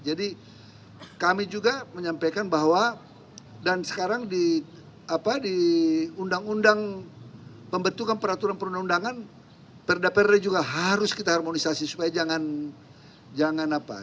jadi kami juga menyampaikan bahwa dan sekarang di apa di undang undang pembentukan peraturan perundang undangan perda perda juga harus kita harmonisasi supaya jangan jangan apa